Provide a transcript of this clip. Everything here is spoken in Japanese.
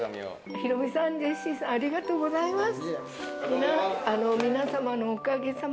ヒロミさんジェシーさんありがとうございます。